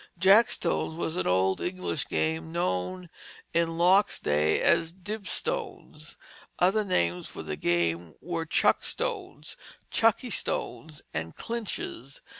Jackstones was an old English game known in Locke's day as dibstones. Other names for the game were chuckstones, chuckie stones, and clinches.